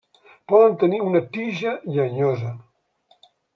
Poden tenir una tija llenyosa.